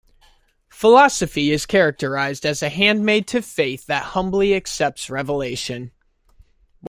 Philosophy is characterized as a handmaid to faith that humbly accepts revelation.